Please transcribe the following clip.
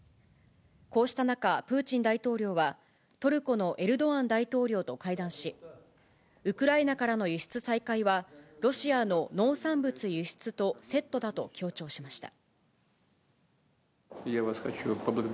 こうした中、プーチン大統領は、トルコのエルドアン大統領と会談し、ウクライナからの輸出再開は、ロシアの農産物輸出とセットだと強調しました。